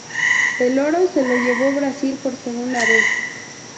El oro se lo llevó Brasil por segunda vez.